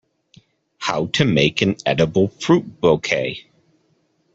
How to make an edible fruit bouquet.